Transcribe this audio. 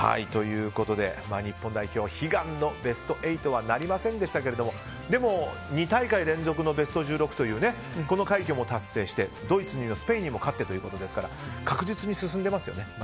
日本代表、悲願のベスト８はなりませんでしたけれどもでも、２大会連続のベスト１６というこの快挙も達成してドイツにもスペインにも勝ってということですから確実に進んでますよね。